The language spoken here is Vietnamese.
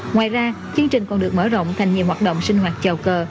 ngoài ra chương trình còn được mở rộng thành nhiều hoạt động sinh hoạt chào cờ